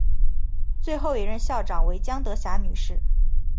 最后一任校长为江德霞女士。